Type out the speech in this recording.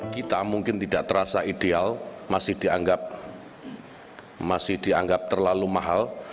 kita mungkin tidak terasa ideal masih dianggap terlalu mahal